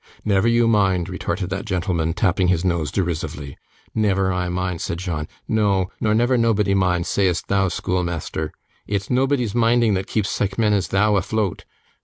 'Never you mind,' retorted that gentleman, tapping his nose derisively. 'Never I mind!' said John, 'no, nor never nobody mind, say'st thou, schoolmeasther. It's nobody's minding that keeps sike men as thou afloat.